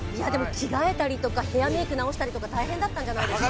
着替えたりとか、ヘアメイク直したり、大変だったんじゃないですか。